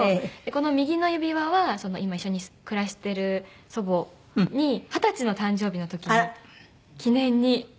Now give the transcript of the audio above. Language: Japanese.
この右の指輪は今一緒に暮らしてる祖母に二十歳の誕生日の時に記念に。